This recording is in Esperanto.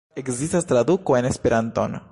Ekzistas traduko en Esperanton.